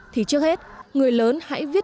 thì trước hết người lớn hãy viết